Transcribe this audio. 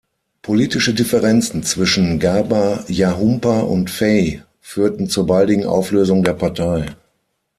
Politische Differenzen zwischen Garba-Jahumpa und Faye führten zur baldigen Auflösung der Partei.